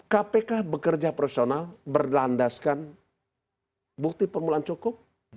kpk bekerja profesional berlandaskan bukti pengolahan cukup